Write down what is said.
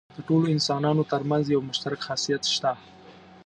د ټولو انسانانو تر منځ یو مشترک خاصیت شته.